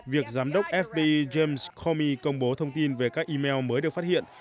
việc giám đốc fbi james commy công bố thông tin về các email mới được phát hiện